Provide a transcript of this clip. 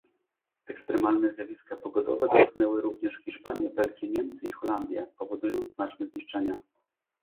Ekstremalne zjawiska pogodowe dotknęły również Hiszpanię, Belgię, Niemcy i Holandię, powodując znaczne zniszczenia